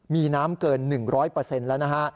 มีน้ำเกิน๑๐๐แล้วนะฮะ